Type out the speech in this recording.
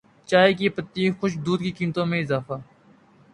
چائے کی پتی خشک دودھ کی قیمتوں میں اضافہ